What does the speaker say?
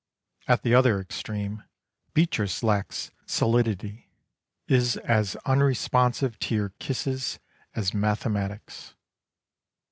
At the other extreme, Beatrice lacks solidity, is as unresponsive to your kisses as mathematics.